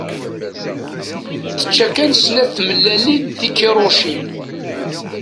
Tečča kan snat tmellalin tikiṛucin.